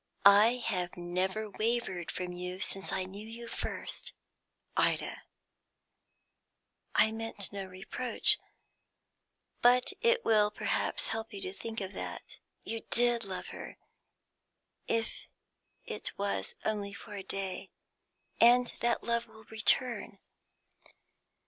"I have never wavered from you since I knew you first." "Ida!" "I meant no reproach, but it will perhaps help you to think of that. You did love her, if it was only for a day, and that love will return."